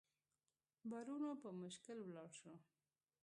برونو په مشکل ولاړ شو.